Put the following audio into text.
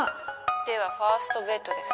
ではファーストベットです。